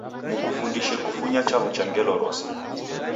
Mkufundishe kufunya chaw'ucha ngelo rose